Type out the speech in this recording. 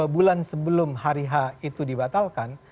bulan sebelum hari h itu dibatalkan